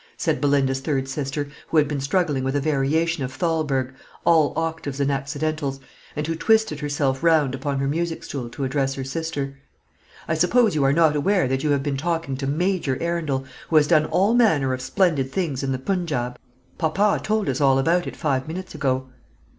said Belinda's third sister, who had been struggling with a variation by Thalberg, all octaves and accidentals, and who twisted herself round upon her music stool to address her sister. "I suppose you are not aware that you have been talking to Major Arundel, who has done all manner of splendid things in the Punjaub? Papa told us all about it five minutes ago."